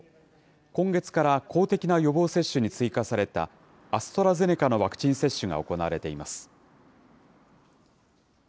今月から公的な予防接種に追加された、アストラゼネカのワクチン接種が行われています。